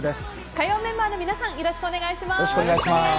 火曜メンバーの皆さんよろしくお願いします。